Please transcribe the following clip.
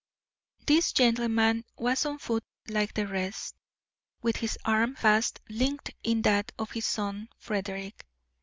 This gentleman was on foot like the rest, with his arm fast linked in that of his son Frederick.